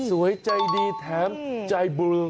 สวยใจดีแถมใจเบลอ